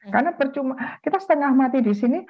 karena kita setengah mati di sini